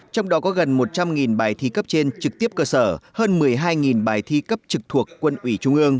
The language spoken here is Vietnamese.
trong đó có gần một trăm linh bài thi cấp trên trực tiếp cơ sở hơn một mươi hai bài thi cấp trực thuộc quân ủy trung ương